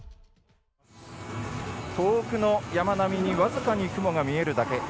遠くの山並みにわずかに雲が見えるだけ。